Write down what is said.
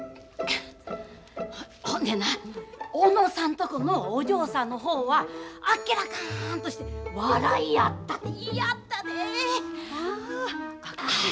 ほんでな小野さんとこのお嬢さんの方はあっけらかんとして笑いやったって言いやったで！